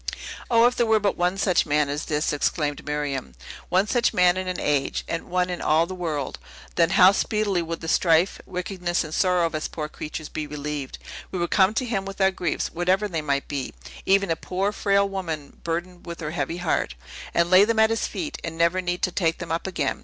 "O, if there were but one such man as this?" exclaimed Miriam. "One such man in an age, and one in all the world; then how speedily would the strife, wickedness, and sorrow of us poor creatures be relieved. We would come to him with our griefs, whatever they might be, even a poor, frail woman burdened with her heavy heart, and lay them at his feet, and never need to take them up again.